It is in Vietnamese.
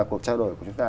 cuộc trao đổi của chúng ta